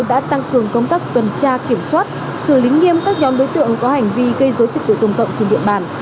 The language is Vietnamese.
đã tăng cường công tác tuần tra kiểm soát xử lý nghiêm các nhóm đối tượng có hành vi gây dối trích tự tùng tộng trên địa bàn